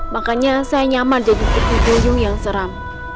makanya saya nyaman jadi peti goyung yang seram